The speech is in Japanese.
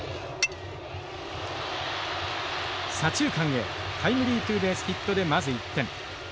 左中間へタイムリーツーベースヒットでまず１点。